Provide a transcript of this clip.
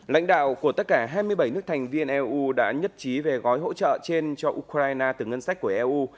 lãnh đạo của tất cả hai mươi bảy nước thành viên eu đã nhất trí về gói hỗ trợ trên cho ukraine từ ngân sách của eu